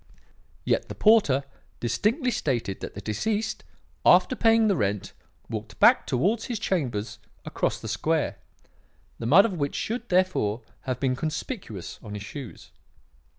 Yet the porter distinctly stated that the deceased, after paying the rent, walked back towards his chambers across the square; the mud of which should, therefore, have been conspicuous on his shoes.